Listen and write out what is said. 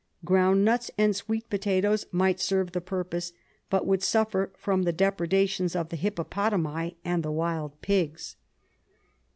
Ground nuts and sweet potatoes might serve the purj^ose, but would suffer from the depredations of the hippopotami and the wild pigs.